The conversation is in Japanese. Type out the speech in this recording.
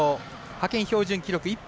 派遣標準記録